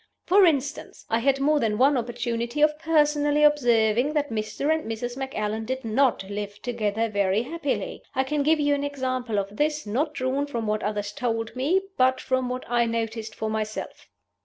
"For instance, I had more than one opportunity of personally observing that Mr. and Mrs. Macallan did not live together very happily. I can give you an example of this, not drawn from what others told me, but from what I noticed for myself.